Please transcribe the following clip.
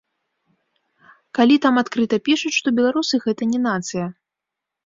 Калі там адкрыта пішуць, што беларусы гэта не нацыя.